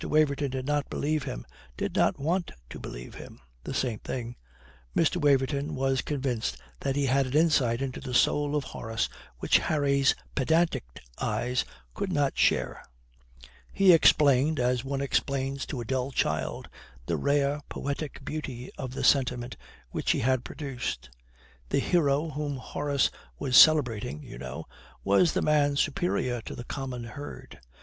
Waverton did not believe him, did not want to believe him the same thing. Mr. Waverton was convinced that he had an insight into the soul of Horace which Harry's pedantic eyes could not share. He explained, as one explains to a dull child, the rare poetic beauty of the sentiment which he had produced. The hero whom Horace was celebrating, you know, was the man superior to the common herd.